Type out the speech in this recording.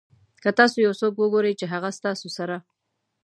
که تاسو یو څوک وګورئ چې هغه ستاسو سره.